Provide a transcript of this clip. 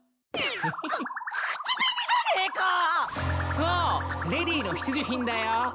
そうレディーの必需品だよ。